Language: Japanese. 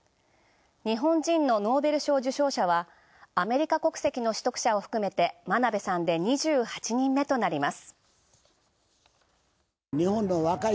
日本人のノーベル賞受賞者はアメリカ国籍の取得者を含めて真鍋さんで２８人目となります。